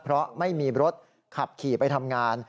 เพราะไม่มีรถขับขี่ไปทำงาน